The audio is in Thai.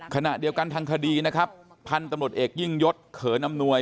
ขณะเดียวกันทางคดีนะครับพันธุ์ตำรวจเอกยิ่งยศเขินอำนวย